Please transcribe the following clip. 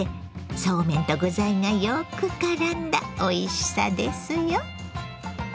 そうめんと具材がよくからんだおいしさですよ。